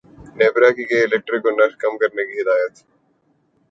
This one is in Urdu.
نیپرا کی کے الیکٹرک کو نرخ کم کرنے کی ہدایت